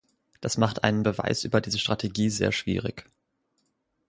Das macht einen Beweis über diese Strategie sehr schwierig.